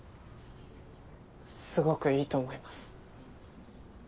すごくいいと思います。